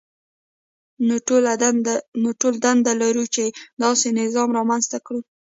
نو ټول دنده لرو چې داسې نظام رامنځته کړو.